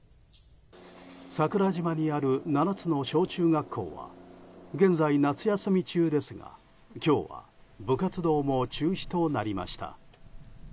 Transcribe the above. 桜島にある７つの小中学校は現在、夏休み中ですが今日は部活動も中止となりました。